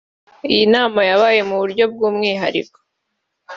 Iyi nama yabaye mu buryo bw’umwihariko